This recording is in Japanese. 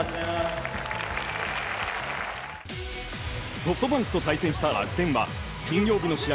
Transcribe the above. ソフトバンクと対戦した楽天は金曜日の試合